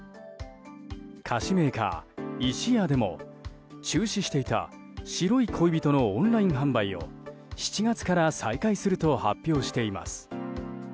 菓子メーカー、イシヤでも中止していた白い恋人のオンライン販売を７月から再開すると発表しています。